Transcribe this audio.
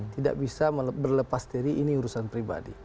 tidak bisa berlepas dari ini urusan pribadi